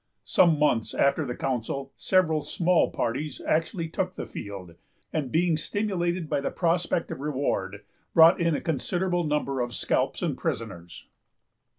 Some months after the council, several small parties actually took the field; and, being stimulated by the prospect of reward, brought in a considerable number of scalps and prisoners.